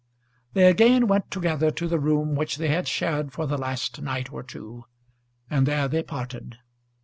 They again went together to the room which they had shared for the last night or two, and there they parted.